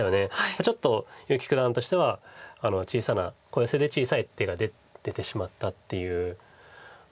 ちょっと結城九段としては小さな小ヨセで小さい手が出てしまったっていうことですよね。